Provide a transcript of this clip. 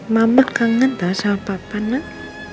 mama kangen tau soal papa nak